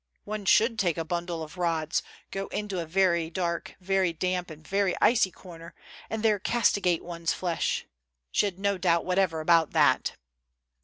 One should take a bundle of rods, go into a very dark, very damp and very icy corner, and there castigate one's flesh ; she had no doubt whatever about that.